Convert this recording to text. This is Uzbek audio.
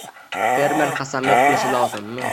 Fermer qasamyod qilishi lozimmi?